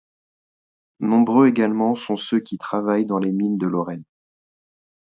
Nombreux également sont ceux qui travaillent dans les mines de Lorraine.